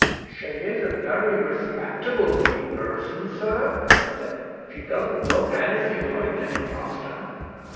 "She is a very respectable looking person, sir," he said; "she doesn't look anything like an impostor."